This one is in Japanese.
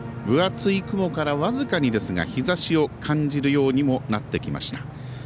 分厚い雲から僅かにですが日ざしを感じるようにもなってきました。